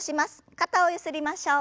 肩をゆすりましょう。